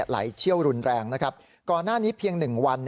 ไหลเชี่ยวรุนแรงนะครับก่อนหน้านี้เพียง๑วัน